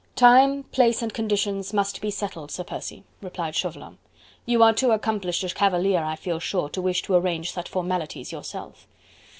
"Time, place and conditions must be settled, Sir Percy," replied Chauvelin; "you are too accomplished a cavalier, I feel sure, to wish to arrange such formalities yourself."